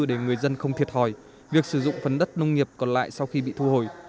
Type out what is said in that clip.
để người dân không thiệt hỏi việc sử dụng phần đất nông nghiệp còn lại sau khi bị thu hồi